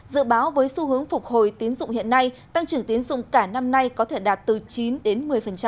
dự báo với xu hướng phục hồi tín dụng hiện nay tăng trưởng tiến dụng cả năm nay có thể đạt từ chín đến một mươi